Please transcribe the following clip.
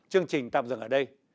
chương trình tạm dừng ở đây